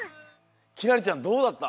輝星ちゃんどうだった？